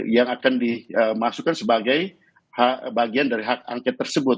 yang akan dimasukkan sebagai bagian dari hak angket tersebut